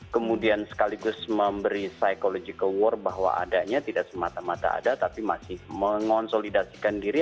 kemudian sekaligus memberi psychological war bahwa adanya tidak semata mata ada tapi masih mengonsolidasikan diri